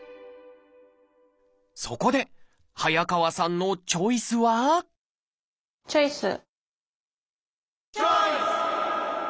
そこで早川さんのチョイスはチョイス！